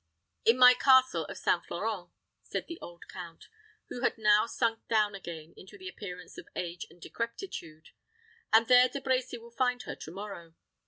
"In my castle of St. Florent," said the old count, who had now sunk down again into the appearance of age and decrepitude; "and there De Brecy will find her to morrow.